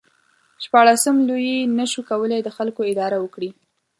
شپاړسم لویي نشو کولای د خلکو اداره وکړي.